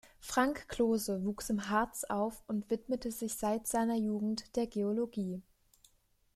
Frank Klose wuchs im Harz auf und widmete sich seit seiner Jugend der Geologie.